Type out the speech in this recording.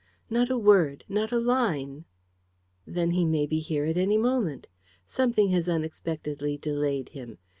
"Not a word not a line!" "Then he may be here at any moment. Something has unexpectedly delayed him.